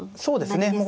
そうですね。